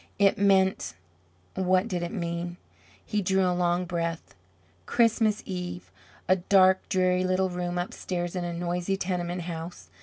It meant what did it mean? He drew a long breath. Christmas Eve! A dark dreary little room upstairs in a noisy tenement house.